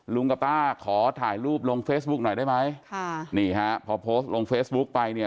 กับป้าขอถ่ายรูปลงเฟซบุ๊กหน่อยได้ไหมค่ะนี่ฮะพอโพสต์ลงเฟซบุ๊กไปเนี่ย